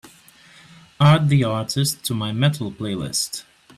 Add the artist to my Metal playlist.